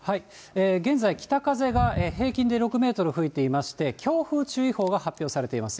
現在、北風が平均で６メートル吹いていまして、強風注意報が発表されています。